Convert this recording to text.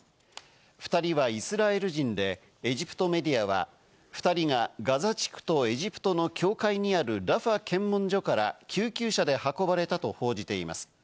２人はイスラエル人で、エジプトメディアは２人がガザ地区とエジプトの境界にあるラファ検問所から救急車で運ばれたと報じています。